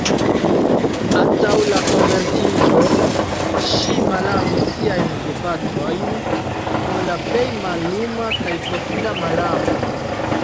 Antaŭ la konvertiĝo, ŝi malamis siajn gepatrojn kun la plej malluma kaj profunda malamo.